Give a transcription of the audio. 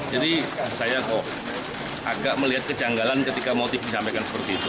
jadi saya kok agak melihat kejanggalan ketika motif disampaikan seperti itu